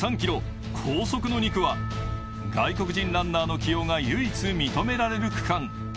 高速の２区は外国人ランナーの起用が唯一認められる区間。